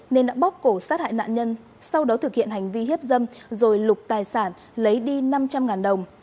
nên đã bóc cổ sát hại nạn nhân sau đó thực hiện hành vi hiếp dâm rồi lục tài sản lấy đi năm trăm linh đồng